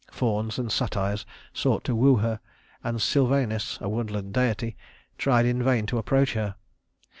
Fauns and satyrs sought to woo her, and Sylvanus a woodland deity tried in vain to approach her.